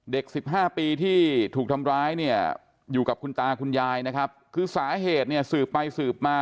สิบห้าปีที่ถูกทำร้ายเนี่ยอยู่กับคุณตาคุณยายนะครับคือสาเหตุเนี่ยสืบไปสืบมา